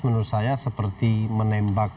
menurut saya seperti menembak